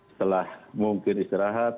setelah mungkin istirahat